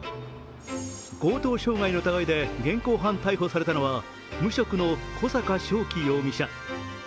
強盗傷害の疑いで現行犯逮捕されたのは無職の小阪渉生容疑者。